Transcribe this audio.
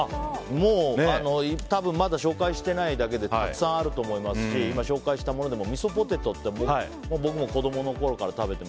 もう、多分まだ紹介してないだけでたくさんあると思いますし今、紹介したものでもみそポテトって、僕も子供のころから食べてて。